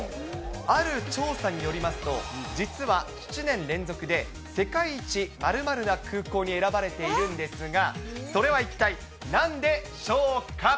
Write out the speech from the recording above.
ある調査によりますと、実は、７年連続で世界一○○な空港に選ばれているんですが、それは一体、なんでしょうか？